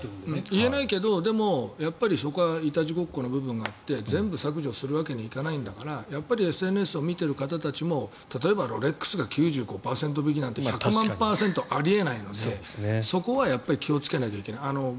言えないけどそこはいたちごっこの部分があって全部削除するわけにはいかないんだからやっぱりＳＮＳを見てる方たちも例えばロレックスが９９％引きなんて１００万％あり得ないのでそこは気をつけないといけない。